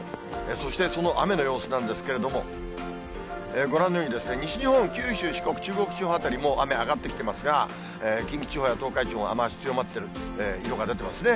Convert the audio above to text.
そしてその雨の様子なんですけれども、ご覧のように、西日本、九州、四国、中国地方辺りも、もう雨上がってきていますが、近畿地方や東海地方も雨足強まっている色が出ていますね。